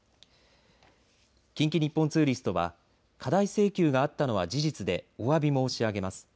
近畿日本ツーリストは過大請求があったのは事実でおわび申し上げます。